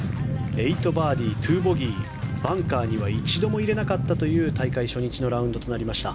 ８バーディー、２ボギーバンカーには一度も入れなかったという大会初日のラウンドとなりました。